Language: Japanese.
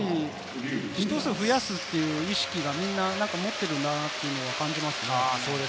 １つ増やすという意識がみんな持ってるなというような感じますね。